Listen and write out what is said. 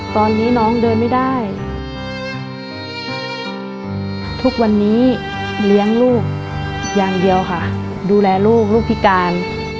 ตอนนี้น้องเดินไม่ได้ทุกวันนี้เลี้ยงลูกอย่างเดียวค่ะดูแลลูกลูกพิการ